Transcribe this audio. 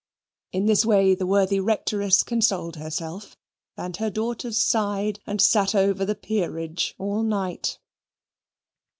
In this way the worthy Rectoress consoled herself, and her daughters sighed and sat over the Peerage all night.